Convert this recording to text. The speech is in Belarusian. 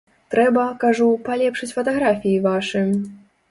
Трэба, кажу, палепшыць фатаграфіі вашы.